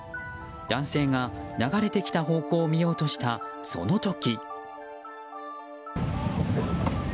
男性が流れてきた方向を見ようとしたその時。